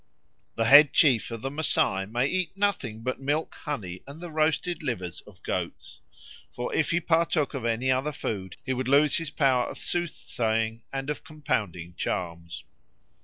The head chief of the Masai may eat nothing but milk, honey, and the roasted livers of goats; for if he partook of any other food he would lose his power of soothsaying and of compounding charms.